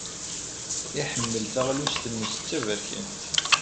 Iḥemmel taɣlust-nnes d taberkant.